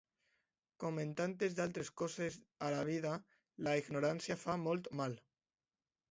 Com en tantes d’altres coses a la vida, la ignorància fa molt mal.